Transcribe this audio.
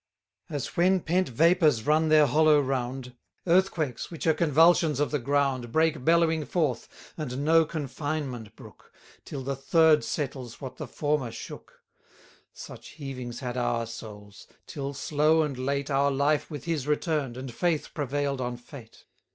As, when pent vapours run their hollow round, Earthquakes, which are convulsions of the ground, Break bellowing forth, and no confinement brook, Till the third settles what the former shook; Such heavings had our souls; till, slow and late, Our life with his return'd, and Faith prevail'd on Fate.